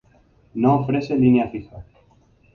No ofrece linea fija.